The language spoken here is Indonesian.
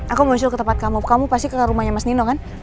aku muncul ke tempat kamu kamu pasti ke rumahnya mas nino kan